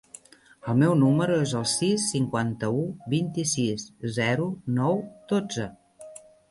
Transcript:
El meu número es el sis, cinquanta-u, vint-i-sis, zero, nou, dotze.